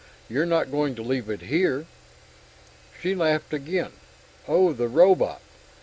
You're not going to leave it here?" She laughed again. "Oh, the robot?